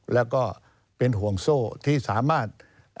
แล้วก็เป็นห่วงโซ่ที่สามารถ